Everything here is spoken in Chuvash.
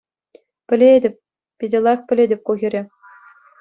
Пӗлетӗп... Питӗ лайӑх пӗлетӗп ку хӗре.